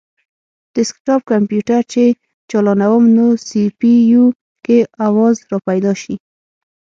ډیسکټاپ کمپیوټر چې چالانووم نو سي پي یو کې اواز راپیدا شي